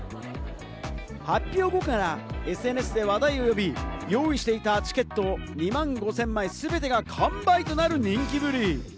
発表後からＳＮＳで話題を呼び、用意していたチケット２万５０００枚、全てが完売となる人気ぶり。